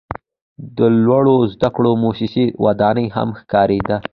د لوړو زده کړو موسسې ودانۍ هم ښکاریده.